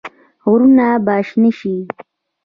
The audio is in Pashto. غرونه به شنه شي؟